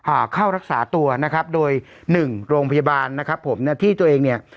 อ่าเข้ารักษาตัวนะครับโดยหนึ่งโรงพยาบาลนะครับผมเนี่ยที่ตัวเองเนี่ย